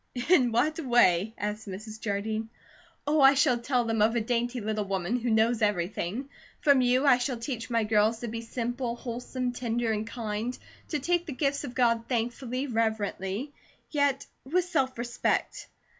"In what way?" asked Mrs. Jardine. "Oh, I shall tell them of a dainty little woman who know everything. From you I shall teach my girls to be simple, wholesome, tender, and kind; to take the gifts of God thankfully, reverently, yet with self respect.